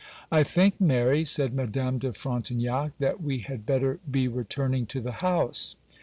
'I think, Mary,' said Madame de Frontignac, 'that we had better be returning to the house.